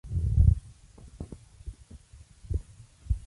En A Vila se encuentran la iglesia de San Xurxo y el cementerio parroquial.